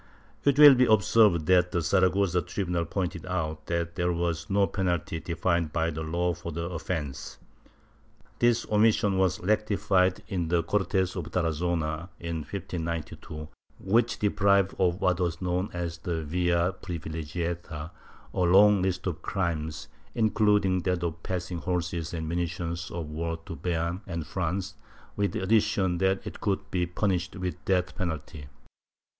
It will be observed that the Saragossa tribunal pointed out that there was no penalty defined by law for the offence. This omission was rectified in the Cortes of Tarazona, in 1592, which deprived of what was known as the via ■privilegiata a long list of crimes, including that of passing horses and munitions of war to Beam and France, with the addition that it could be punished with the death penalty.